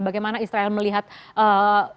bagaimana israel melihat kondisi yang terjadi